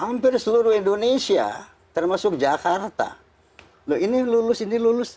hampir seluruh indonesia termasuk jakarta loh ini lulus ini lulus